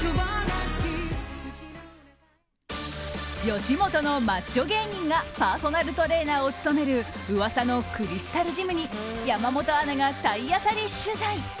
吉本のマッチョ芸人がパーソナルトレーナーを務める噂のクリスタルジムに山本アナが体当たり取材！